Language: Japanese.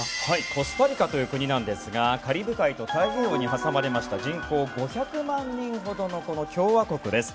コスタリカという国なんですがカリブ海と太平洋に挟まれました人口５００万人ほどの共和国です。